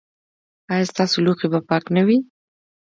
ایا ستاسو لوښي به پاک نه وي؟